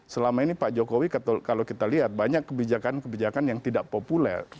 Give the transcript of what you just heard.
selama ini pak jokowi kalau kita lihat banyak kebijakan kebijakan yang tidak populer